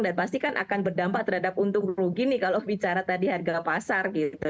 dan pasti kan akan berdampak terhadap untung rugi nih kalau bicara tadi harga pasar gitu